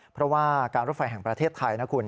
เพราะว่าการรถไฟแห่งประเทศไทยนะคุณ